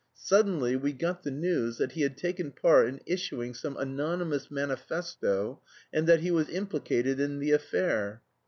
Suddenly we got the news that he had taken part in issuing some anonymous manifesto and that he was implicated in the affair.